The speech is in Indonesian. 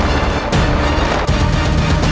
aku akan mencari dia